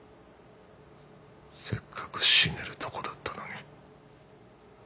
せっかく死ねるとこだったのに。